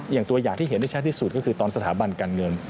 ตัวอย่างที่เห็นได้ชัดที่สุดก็คือตอนสถาบันการเงิน